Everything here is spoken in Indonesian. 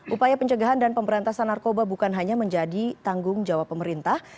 upaya pencegahan dan pemberantasan narkoba bukan hanya menjadi tanggung jawab pemerintah